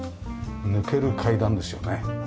抜ける階段ですよね。